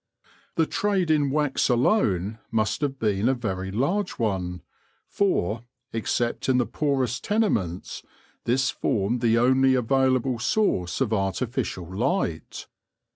The trade in wax alone must have been a very large one, for, except in the poorest tenements, this formed the only available source of artificial light.